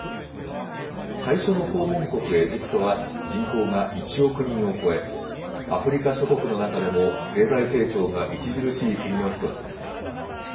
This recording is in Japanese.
最初の訪問国、エジプトは人口が１億人を超え、アフリカ諸国の中でも経済成長が著しい国の１つです。